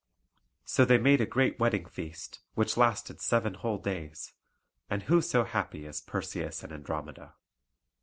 So they made a great wedding feast, which lasted seven whole days, and who so happy as Perseus and Andromeda?